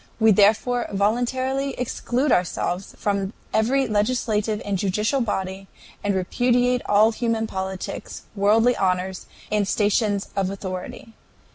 We therefore voluntarily exclude ourselves from every legislative and judicial body, and repudiate all human politics, worldly honors, and stations of authority.